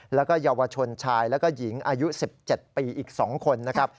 แล้วก็เยาวชนชายแล้วก็หญิงอายุ๑๗ปีอีก๒คนนะครับ